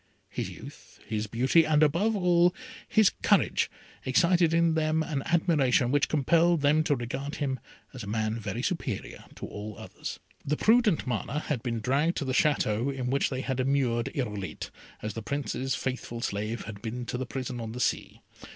His youth, his beauty, and, above all, his courage, excited in them an admiration which compelled them to regard him as a man very superior to all others. The prudent Mana had been dragged to the Château in which they had immured Irolite, as the Prince's faithful slave had been to the prison on the sea.